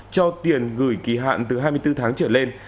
cho tiền gửi kỳ hạn từ hai mươi bốn tháng trở lên